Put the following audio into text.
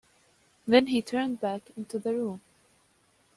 Then he turned back into the room.